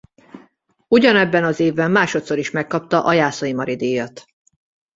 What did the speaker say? Ugyanebben az évben másodszor is megkapta a Jászai Mari-díjat.